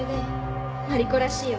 マリコらしいよ。